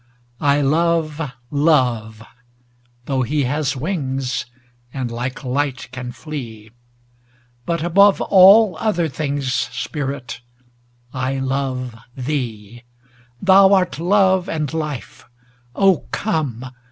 I love Love though he has wings, And like light can flee, But above all other things, Spirit, I love thee Thou art love and life! O come!